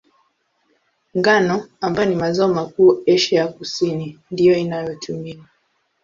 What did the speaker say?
Ngano, ambayo ni mazao makuu Asia ya Kusini, ndiyo inayotumiwa.